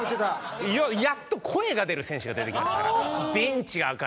やっと声が出る選手が出てきましたからベンチが明るく。